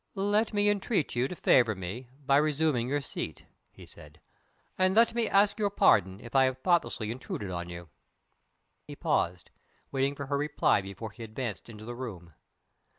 "Let me entreat you to favor me by resuming your seat," he said. "And let me ask your pardon if I have thoughtlessly intruded on you." He paused, waiting for her reply before he advanced into the room.